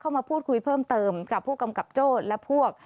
มาพูดคุยเพิ่มเติมกับผู้กำกับโจ้และพวก